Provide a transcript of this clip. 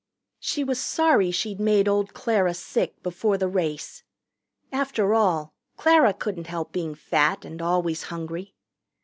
She was sorry she'd made old Clara sick before the race. After all, Clara couldn't help being fat and always hungry.